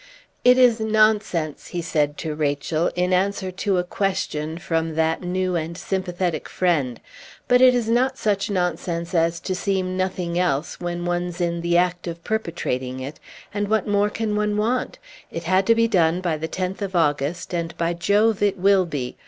"It is nonsense," he said to Rachel, in answer to a question from that new and sympathetic friend, "but it is not such nonsense as to seem nothing else when one's in the act of perpetrating it, and what more can one want? It had to be done by the tenth of August, and by Jove it will be!